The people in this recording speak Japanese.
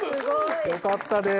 よかったです。